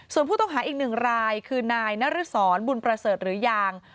ส่วนผู้ต้องหาอีกหนึ่งรายคือนายนรสรบุญประเสริฐหรือยาง